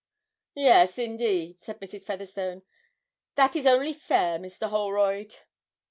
'Yes, indeed,' said Mrs. Featherstone. 'That is only fair, Mr. Holroyd!'